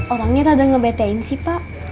orangnya rada ngebetain sih pak